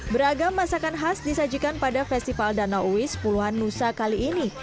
beragam masakan khas disajikan pada festival danau uis puluhan nusa kali ini